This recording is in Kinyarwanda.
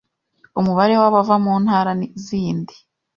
umubare w'abava mu ntara zindi